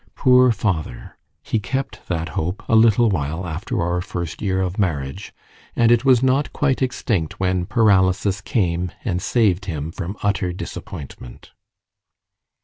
Poor father! He kept that hope a little while after our first year of marriage, and it was not quite extinct when paralysis came and saved him from utter disappointment.